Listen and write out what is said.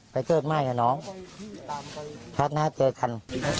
ไปเจิดไม่เหรอน้องชาติหน้าเจอคัน